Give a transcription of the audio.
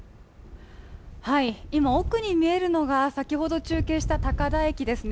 今奥に見えるのが先ほど中継した高田駅ですね。